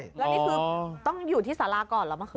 แล้วนี่คือต้องอยู่ที่สาราก่อนเหรอเมื่อคืน